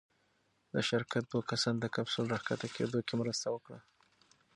د شرکت دوه کسان د کپسول راښکته کېدو کې مرسته وکړه.